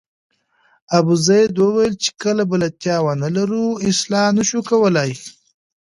ابوزید وویل چې که بلدتیا ونه لرو اصلاح نه شو کولای.